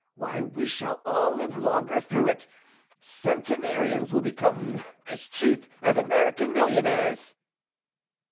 Why, we shall all live longer through it centenarians will become as cheap as American millionaires."